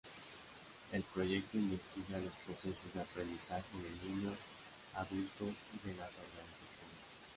El proyecto investiga los procesos de aprendizaje de niños, adultos y de las organizaciones.